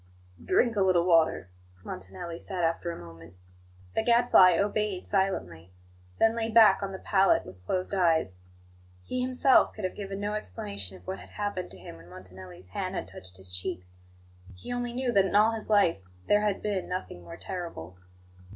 "Drink a little water," Montanelli said after a moment. The Gadfly obeyed silently; then lay back on the pallet with closed eyes. He himself could have given no explanation of what had happened to him when Montanelli's hand had touched his cheek; he only knew that in all his life there had been nothing more terrible.